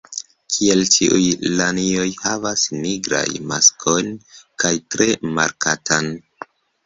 Kiel ĉiuj lanioj, havas nigran maskon kaj tre markatan.